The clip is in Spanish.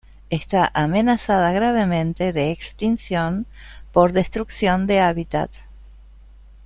Está amenazada gravemente de extinción por destrucción de hábitat